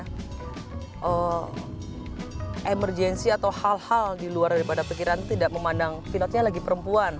karena emergensi atau hal hal di luar daripada pikiran tidak memandang pilotnya lagi perempuan